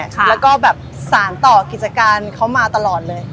แล้วก็แบบสารต่อกิจการเขามาตลอดเลย